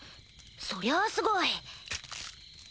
そりゃあすごい！